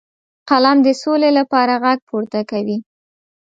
قلم د سولې لپاره غږ پورته کوي